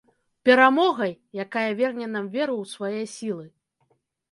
Перамогай, якая верне нам веру ў свае сілы.